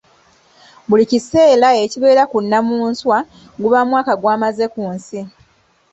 Buli kiseera ekibeera ku Nnamunswa guba mwaka gwamaze kunsi.